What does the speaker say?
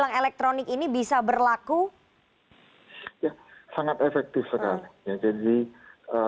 ya pak rudi seberapa efektif sebetulnya sistem ini